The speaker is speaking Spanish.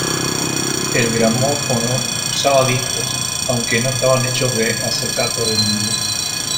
El gramófono usaba discos, aunque no estaban hechos de acetato de vinilo.